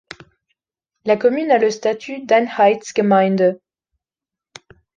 La commune a le statut d'Einheitsgemeinde.